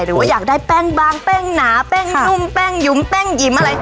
หรือว่าอยากได้แป้งบางแป้งหนาแป้งนุ่มแป้งหยุมแป้งหยิมอะไร